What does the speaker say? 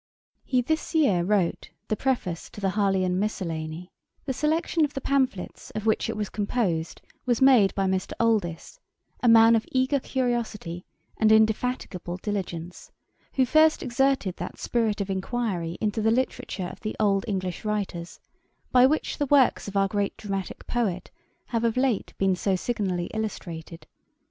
] He this year wrote the _Preface to the Harleian Miscellany_[*] The selection of the pamphlets of which it was composed was made by Mr. Oldys, a man of eager curiosity and indefatigable diligence, who first exerted that spirit of inquiry into the literature of the old English writers, by which the works of our great dramatick poet have of late been so signally illustrated.